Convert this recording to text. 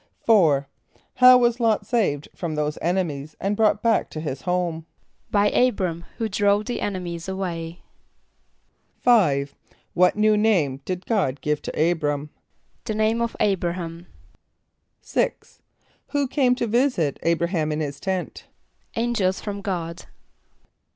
= =4.= How was L[)o]t saved from those enemies and brought back to his home? =By [=A]´br[)a]m, who drove the enemies away.= =5.= What new name did God give to [=A]´br[)a]m? =The name of [=A]´br[)a] h[)a]m.= =6.= Who came to visit [=A]´br[)a] h[)a]m in his tent? =Angels from God.